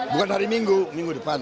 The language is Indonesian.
bukan hari minggu minggu depan